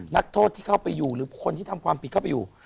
นักโทษที่เข้าไปอยู่หรือคนที่ทำความผิดเข้าไปอยู่